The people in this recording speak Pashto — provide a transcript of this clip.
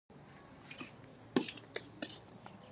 عامو وګړو کوڅو ته راووتل.